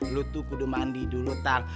lo tuh kudu mandi dulu tang